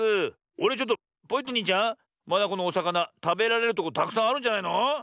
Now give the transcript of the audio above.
あれちょっとポイットニーちゃんまだこのおさかなたべられるとこたくさんあるんじゃないの？